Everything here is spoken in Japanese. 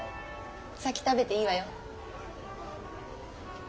先食べていいわよ。